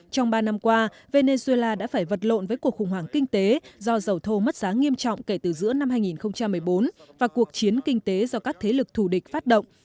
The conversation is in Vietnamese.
trong ba năm qua venezuela đã phải vật lộn với cuộc khủng hoảng kinh tế do dầu thô mất giá nghiêm trọng kể từ giữa năm hai nghìn một mươi bốn và cuộc chiến kinh tế do các thế lực thù địch phát động